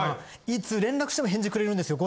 いつ連絡しても返事くれるんですよ。